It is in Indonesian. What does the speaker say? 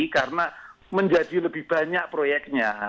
karena menjadi lebih banyak proyeknya